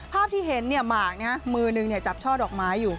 ภาพที่เห็นหมากมือนึงจับช่อดอกไม้อยู่